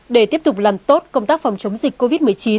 để tiếp tục làm tốt công tác phòng chống dịch covid một mươi chín